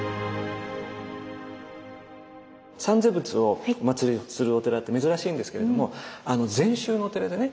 三世仏をおまつりするお寺って珍しいんですけれども禅宗のお寺でね